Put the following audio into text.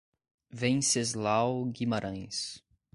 Wenceslau Guimarães